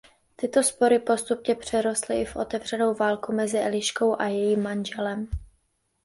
Tyto spory postupně přerostly i v otevřenou válku mezi Eliškou a jejím manželem.